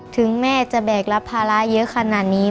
ถึงแม่จะแบกรับภาระเยอะขนาดนี้